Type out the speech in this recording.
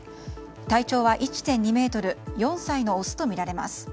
体長は１．２ｍ４歳のオスとみられます。